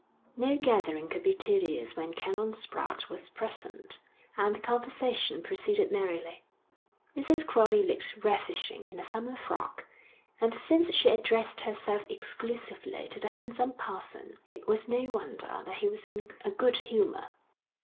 No gathering could be tedious when Canon Spratte was present, and the conversation proceeded merrily. Mrs. Crowley looked ravishing in a summer frock, and since she addressed herself exclusively to the handsome parson it was no wonder that he was in a good humour.